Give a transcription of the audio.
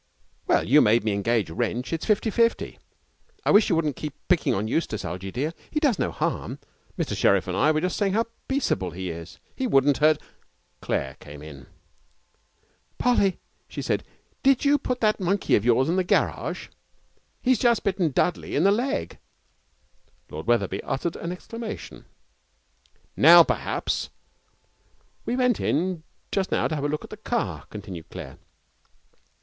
'Well, you made me engage Wrench. It's fifty fifty. I wish you wouldn't keep picking on Eustace, Algie dear. He does no harm. Mr Sherriff and I were just saying how peaceable he is. He wouldn't hurt ' Claire came in. 'Polly,' she said, 'did you put that monkey of yours in the garage? He's just bitten Dudley in the leg.' Lord Wetherby uttered an exclamation. 'Now perhaps ' 'We went in just now to have a look at the car,' continued Claire.